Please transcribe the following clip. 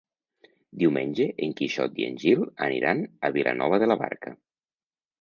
Diumenge en Quixot i en Gil aniran a Vilanova de la Barca.